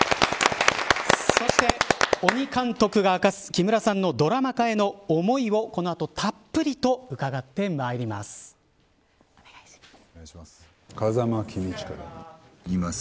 そして鬼監督が明かす木村さんのドラマ化への思いをこの後たっぷりと伺ってまいりまお願いします。